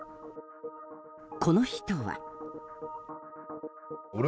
この人は。